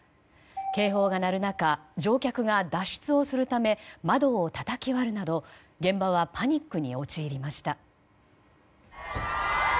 警報が鳴る中乗客が脱出をするため窓をたたき割るなど現場はパニックに陥りました。